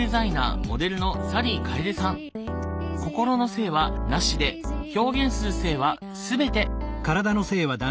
心の性は無しで表現する性は全て。